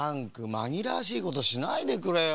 まぎらわしいことしないでくれよ。